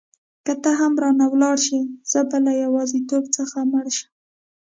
که ته هم رانه ولاړه شې زه به له یوازیتوب څخه مړ شم.